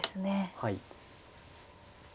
はい。